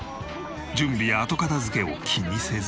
準備や後片付けを気にせず。